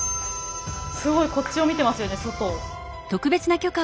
すごいこっちを見てますよね外を。